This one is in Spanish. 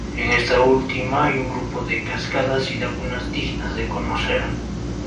En esta última hay un grupo de cascadas y lagunas dignas de conocer.